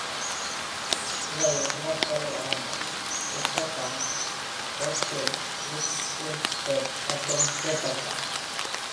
இவையும் இலக்குகளில் அடங்கும்: வெஸ்டர்ஹாம், ரெட்ஹில், ஈஸ்ட் கிரின்ஸ்டெட் மற்றும் கேட்டர்ஹாம்.